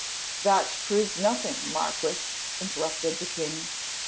"That proves nothing, Marquis," interrupted the king.